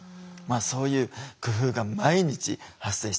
そういう工夫が毎日発生していくわけですよ。